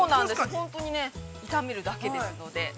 ◆本当に炒めるだけですので。